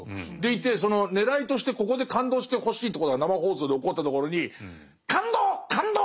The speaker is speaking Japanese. そのねらいとしてここで感動してほしいということが生放送で起こったところに「感動！